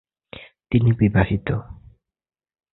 তিনি বিবাহিত।